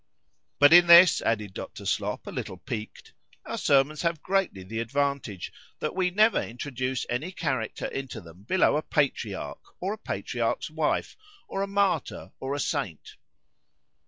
——But in this, added Dr. Slop, a little piqued,—our sermons have greatly the advantage, that we never introduce any character into them below a patriarch or a patriarch's wife, or a martyr or a saint.